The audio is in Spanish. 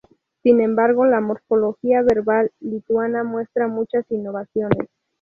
Sin embargo, la morfología verbal lituana muestra muchas innovaciones.